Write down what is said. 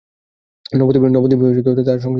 নবদ্বীপে তার সংস্কৃত টোল ছিলো।